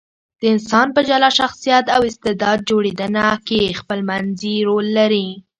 د انسان په جلا شخصیت او استعداد جوړېدنه کې خپلمنځي رول لري.